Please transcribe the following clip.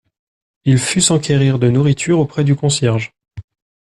Il fut s'enquérir de nourriture auprès du concierge.